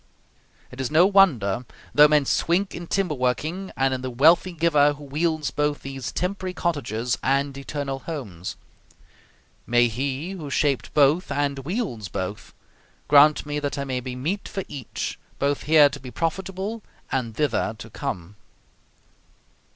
... It is no wonder though men swink in timber working, and in the wealthy Giver who wields both these temporary cottages and eternal homes. May He who shaped both and wields both, grant me that I may be meet for each, both here to be profitable and thither to come.